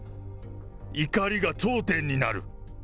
怒りが頂点になる。